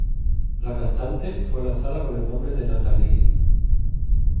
La cantante fue lanzada con el nombre de Nathalie.